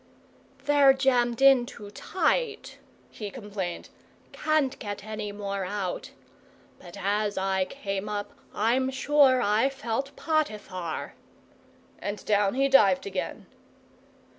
"They're jammed in too tight," he complained. "Can't get any more out. But as I came up I'm sure I felt Potiphar!" And down he dived again.